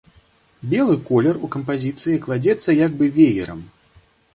Белы колер у кампазіцыі кладзецца як бы веерам.